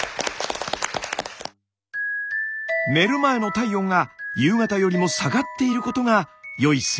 寝る前の体温が夕方よりも下がっていることがよい